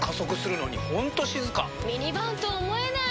ミニバンと思えない！